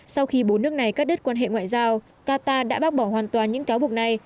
sau khi bốn nước này cắt đứt quan hệ ngoại giao qatar đã bác bỏ hoàn toàn những cáo buộc này